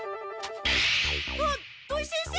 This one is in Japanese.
あっ土井先生！